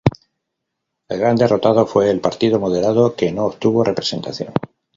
El gran derrotado fue el Partido Moderado que no obtuvo representación.